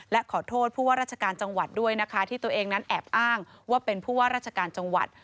และขอโทษผู้ว่าราชการจังหวัดด้วยนะคะที่ตัวเองนั้นแอบอ้างว่าเป็นผู้ว่าราชการจังหวัด